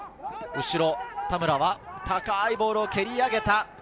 後ろ田村は高いボールを蹴り上げた。